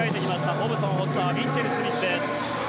ホブソンフォスター、ミッチェルスミスです。